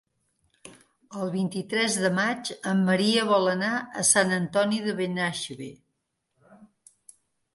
El vint-i-tres de maig en Maria vol anar a Sant Antoni de Benaixeve.